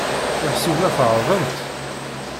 Meḥsub la tɛerrḍemt?